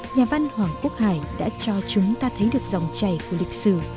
nhà văn hoàng quốc hải đã cho chúng ta thấy được dòng chảy của lịch sử